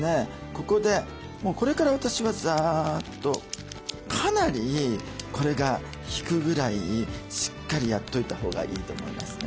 ここでもうこれから私はザッとかなりこれが引くぐらいしっかりやっといたほうがいいと思いますね。